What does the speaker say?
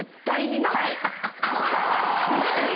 逃げない子。